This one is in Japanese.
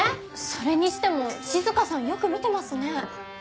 それにしても静さんよく見てますね。